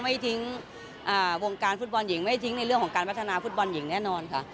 ไม่ทิ้งวงการฟุตบอลหญิงไม่ทิ้งในเรื่องของการพัฒนาฟุตบอลหญิงแน่นอนค่ะ